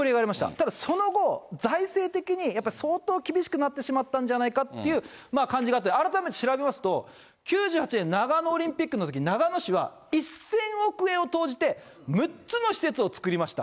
ただその後、財政的にやっぱり相当厳しくなってしまったんじゃないかという感じがあって、改めて調べますと、９８年長野オリンピックのときに、長野市は１０００億円を投じて、６つの施設を作りました。